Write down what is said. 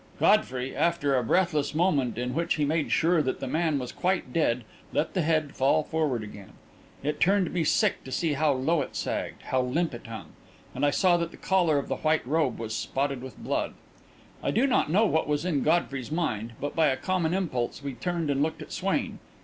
Godfrey, after a breathless moment in which he made sure that the man was quite dead, let the head fall forward again. It turned me sick to see how low it sagged, how limp it hung. And I saw that the collar of the white robe was spotted with blood. I do not know what was in Godfrey's mind, but, by a common impulse, we turned and looked at Swain.